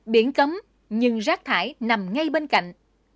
biển cấm nhưng rác thải nằm ngay bên cạnh